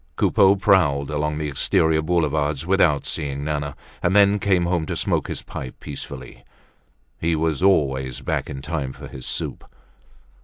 Coupeau prowled along the exterior Boulevards without seeing Nana and then came home to smoke his pipe peacefully. He was always back in time for his soup.